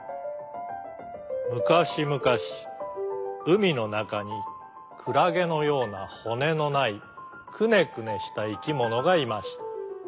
むかしむかしうみのなかにクラゲのようなほねのないくねくねしたいきものがいました。